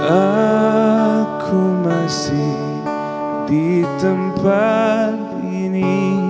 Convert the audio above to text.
aku masih di tempat ini